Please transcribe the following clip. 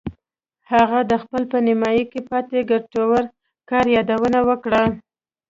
هغه د خپل په نیمایي کې پاتې ګټور کار یادونه وکړه